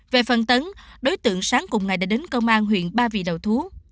về phần tấn đối tượng sáng cùng ngày đã đến công an huyện ba vì đầu thú